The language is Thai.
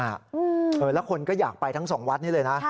แล้วคนก็อยากไปทั้งสองวัดนี้เลยนะ